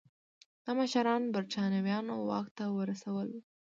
دا مشران برېټانویانو واک ته ورسول وو.